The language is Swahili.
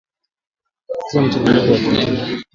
tia mchanganyiko wa kitunguu